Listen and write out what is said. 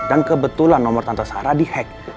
dan kebetulan nomor tante sarah dihack